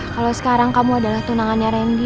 kalo sekarang kamu adalah tunangannya randy meka